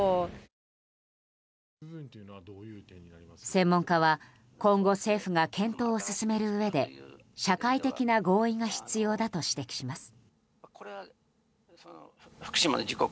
専門家は、今後政府が検討を進めるうえで社会的な合意が必要だと指摘します。